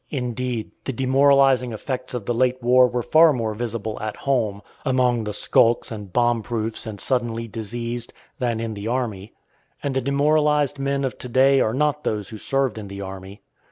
Indeed, the demoralizing effects of the late war were far more visible "at home," among the skulks and bomb proofs and suddenly diseased, than in the army. And the demoralized men of to day are not those who served in the army.